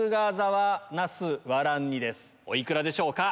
お幾らでしょうか？